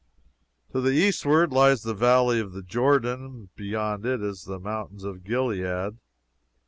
To the eastward lies the Valley of the Jordan and beyond it the mountains of Gilead.